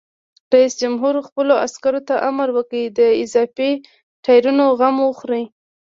رئیس جمهور خپلو عسکرو ته امر وکړ؛ د اضافي ټایرونو غم وخورئ!